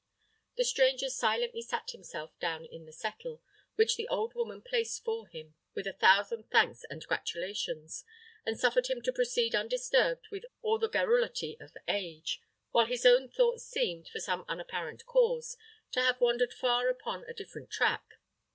The stranger silently sat himself down in the settle, which the old woman placed for him with a thousand thanks and gratulations, and suffered them to proceed undisturbed with all the garrulity of age, while his own thoughts seemed, from some unapparent cause, to have wandered far upon a different track.